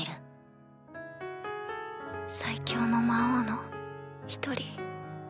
最強の魔王の１人。